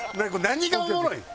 何がおもろいん？